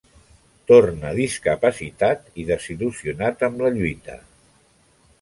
Torna discapacitat i desil·lusionat amb la lluita.